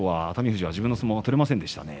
富士は自分の相撲が取れませんでしたね。